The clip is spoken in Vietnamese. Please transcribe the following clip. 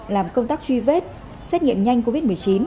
làm công tác truy vết xét nghiệm nhanh covid một mươi chín